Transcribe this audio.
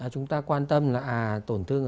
chúng ta quan tâm là tổn thương